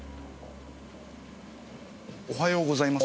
おはようございます。